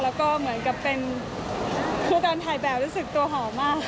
แล้วก็เหมือนกับเป็นคือการถ่ายแบบรู้สึกตัวหอมมาก